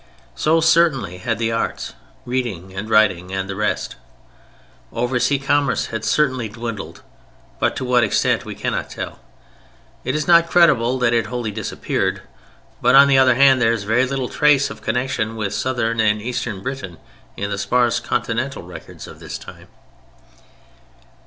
So certainly had the arts—reading and writing and the rest. Over sea commerce had certainly dwindled, but to what extent we cannot tell. It is not credible that it wholly disappeared; but on the other hand there is very little trace of connection with southern and eastern Britain in the sparse continental records of this time.